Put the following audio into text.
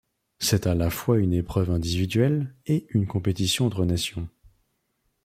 C'est à la fois une épreuve individuelle et une compétition entre nations.